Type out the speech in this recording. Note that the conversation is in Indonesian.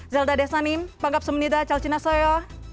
zelda desanim panggap semenida calcina seyo